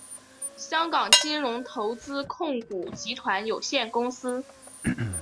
香港金融投资控股集团有限公司。